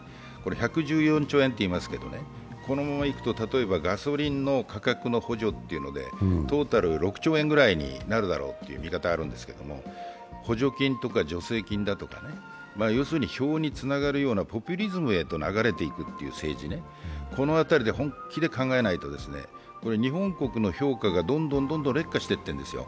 １１４兆円っていますけどこのままいくと例えば、ガソリンの価格の補助でトータル６兆円ぐらいになるだろうって見方があるんですけれども、補助金とか助成金だとか要するに票へつながるようなポピュリズムへと流れていく政治、この辺りを本気で考えないと日本国の評価がどんどん劣化していってるんですよ。